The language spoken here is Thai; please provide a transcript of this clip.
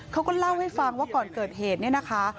เขาก็เล่าให้ฟังว่าก่อนเกิดเหตุเนี่ยนะคะ